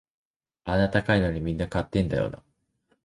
あんな高いのみんな買ってたんだよな